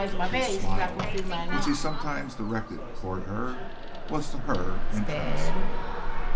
His smile, which he sometimes directed toward her, was to her entrancing.